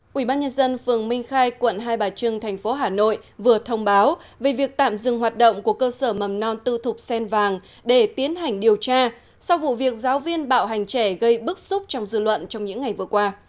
quỹ ban nhân dân phường minh khai quận hai bà trưng thành phố hà nội vừa thông báo về việc tạm dừng hoạt động của cơ sở mầm non tư thục sen vàng để tiến hành điều tra sau vụ việc giáo viên bạo hành trẻ gây bức xúc trong dư luận trong những ngày vừa qua